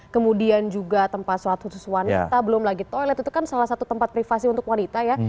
kemudian juga tempat sholat khusus wanita belum lagi toilet itu kan salah satu tempat privasi untuk wanita ya